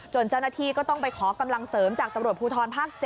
เจ้าหน้าที่ก็ต้องไปขอกำลังเสริมจากตำรวจภูทรภาค๗